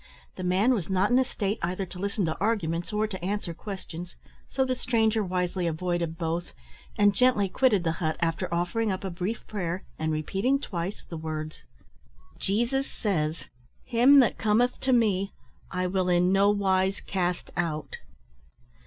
The man was not in a state either to listen to arguments or to answer questions, so the stranger wisely avoided both, and gently quitted the hut after offering up a brief prayer, and repeating twice the words "Jesus says, `Him that cometh to Me, I will in no wise cast out.'"